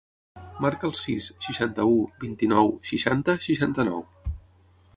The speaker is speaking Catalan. Marca el sis, seixanta-u, vint-i-nou, seixanta, seixanta-nou.